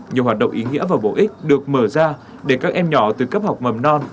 nhiều hoạt động ý nghĩa và bổ ích được mở ra để các em nhỏ từ cấp học mầm non